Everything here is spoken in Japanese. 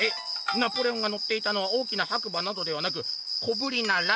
ナポレオンがのっていたのは大きな白馬などではなく小ぶりなラバ。